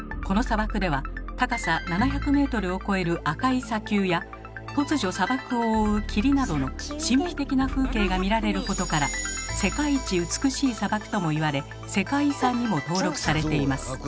この砂漠では高さ７００メートルを超える赤い砂丘や突如砂漠を覆う霧などの神秘的な風景が見られることから「世界一美しい砂漠」とも言われ世界遺産にも登録されています。